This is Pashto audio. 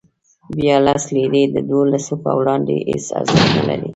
بیا لس لیرې د دولسو په وړاندې هېڅ ارزښت نه لري.